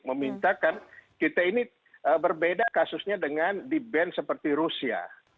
memintakan kita ini berbeda kasusnya dengan di band seperti rusia